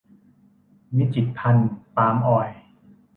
วิจิตรภัณฑ์ปาล์มออยล์